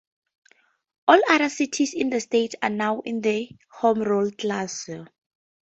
All other cities in the state are now in the home rule class.